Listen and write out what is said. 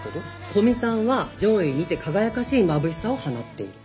古見さんは上位にて輝かしいまぶしさを放っている。